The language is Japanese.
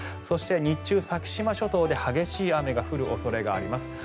そして日中、先島諸島で激しい雨が降る恐れがあります。